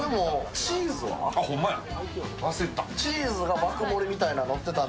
チーズが爆盛りみたいにのってたと。